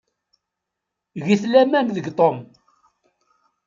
Get laman deg Tom.